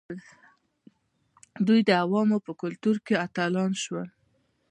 دوی د عوامو په کلتور کې اتلان شول.